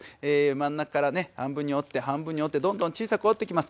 真ん中からね半分に折って半分に折ってどんどん小さく折っていきます。